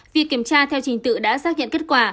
việc kiểm tra theo trình tự đã xác nhận kết quả